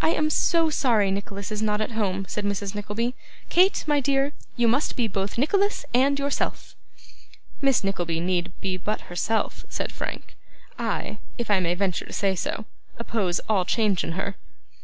'I am so sorry Nicholas is not at home,' said Mrs. Nickleby. 'Kate, my dear, you must be both Nicholas and yourself.' 'Miss Nickleby need be but herself,' said Frank. 'I if I may venture to say so oppose all change in her.